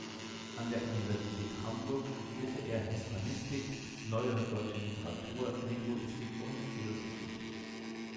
An der Universität Hamburg studierte er Hispanistik, Neuere deutsche Literatur, Linguistik und Philosophie.